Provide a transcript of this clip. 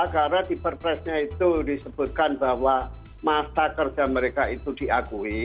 karena di perpresnya itu disebutkan bahwa masa kerja mereka itu diakui